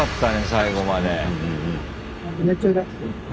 最後まで。